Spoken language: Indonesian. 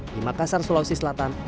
di makassar sulawesi selatan